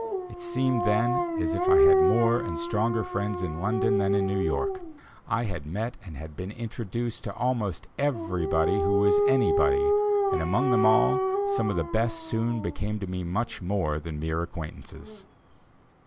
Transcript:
It seemed then as if I had more and stronger friends in London than in New York. I had met and had been introduced to "almost everybody who was anybody," and among them all, some of the best soon became to me much more than mere acquaintances.